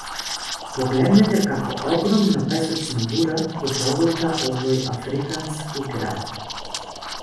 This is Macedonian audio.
Погледнете како огромна песочна бура го проголта овој африкански град